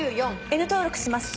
Ｎ登録します。